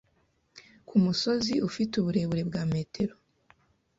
ku musozi Ufite uburebure bwa metero